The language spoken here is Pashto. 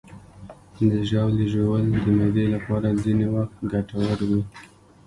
د ژاولې ژوول د معدې لپاره ځینې وخت ګټور وي.